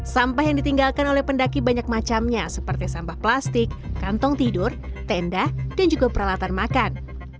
sampah yang ditinggalkan oleh pendaki banyak macamnya seperti sampah plastik kantong tidur tenda dan juga peralatan makan